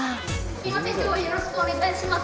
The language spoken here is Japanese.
すいません今日はよろしくお願いします。